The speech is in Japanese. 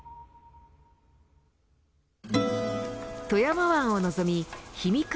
富山湾を望みひみ